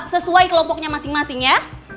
sesuai kelompoknya masing masing ya